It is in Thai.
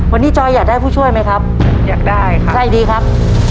วันนี้จอยอยากได้ผู้ช่วยไหมครับอยากได้ครับใช่ดีครับ